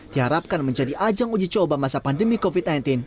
diharapkan menjadi ajang uji coba masa pandemi